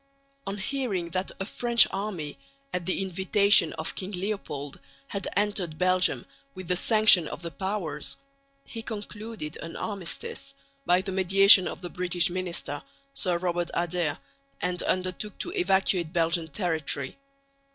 On hearing that a French army, at the invitation of King Leopold, had entered Belgium with the sanction of the Powers, he concluded an armistice, by the mediation of the British Minister, Sir Robert Adair, and undertook to evacuate Belgian territory.